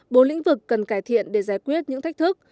bốn lĩnh vực cần cải thiện để giải quyết những thách thức